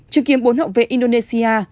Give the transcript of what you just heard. chưa kiếm bốn hậu vệ indonesia